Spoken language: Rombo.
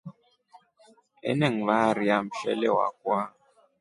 Enengivaria mshele wakwa.